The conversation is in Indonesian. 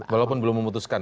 walaupun belum memutuskan ya